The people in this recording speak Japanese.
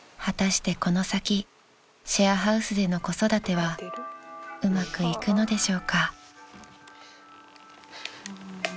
［果たしてこの先シェアハウスでの子育てはうまくいくのでしょうか？］